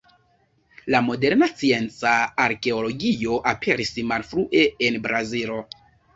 La moderna scienca arkeologio aperis malfrue en Brazilo.